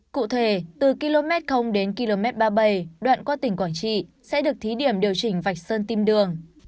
cụ thể từ km đến km ba mươi bảy đoạn qua tỉnh quảng trị sẽ được thí điểm điều chỉnh vạch sơn kim đường